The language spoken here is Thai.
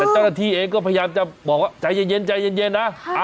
เจ้าหน้าที่เองก็พยายามจะบอกว่าใจเย็นใจเย็นนะ